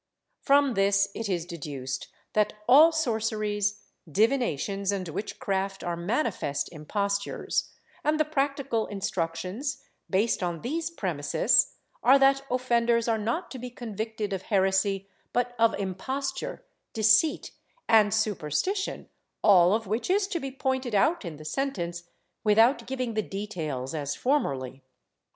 From this it is deduced that all sorceries, divinations and witch craft are manifest impostures, and the practical instructions, based on these premises, are that offenders are not to be convicted of heresy but of imposture, deceit and superstition, all of which is to be pointed out in the sentence, without giving the details as formerly.